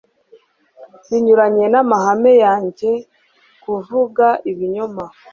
Binyuranye n'amahame yanjye kuvuga ibinyoma.